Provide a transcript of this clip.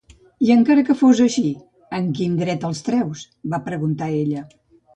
"I encara que fos així, amb quin dret els treus?" va preguntar ella.